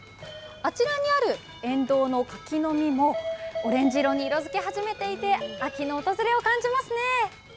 あちらにある沿道の柿の実もオレンジ色に色づき始めていて秋の訪れを感じますね。